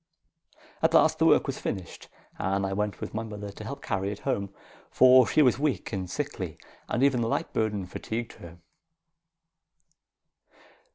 At last the work was finished, and I went with my mother to help carry it home, for she was weak and sickly, and even a light burden fatigued her.